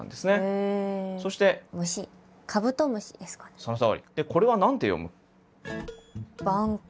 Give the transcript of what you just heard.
そのとおり。